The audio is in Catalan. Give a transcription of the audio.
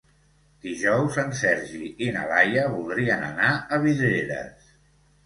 Dijous en Sergi i na Laia voldrien anar a Vidreres.